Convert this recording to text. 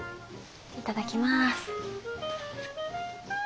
いただきます。